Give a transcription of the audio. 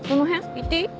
行っていい？